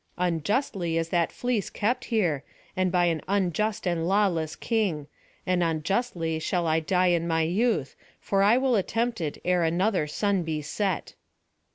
"Unjustly is that fleece kept here, and by an unjust and lawless king; and unjustly shall I die in my youth, for I will attempt it ere another sun be set."